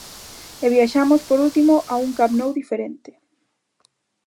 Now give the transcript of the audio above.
E viaxamos por último a un Camp Nou diferente.